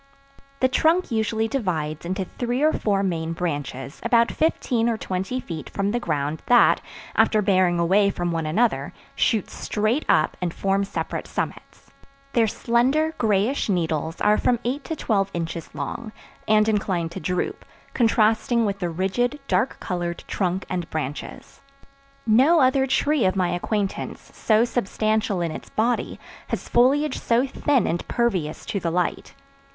The trunk usually divides into three or four main branches about fifteen or twenty feet from the ground that, after bearing away from one another, shoot straight up and form separate summits. Their slender, grayish needles are from eight to twelve inches long, and inclined to droop, contrasting with the rigid, dark colored trunk and branches. No other tree of my acquaintance so substantial in its body has foliage so thin and pervious to the light.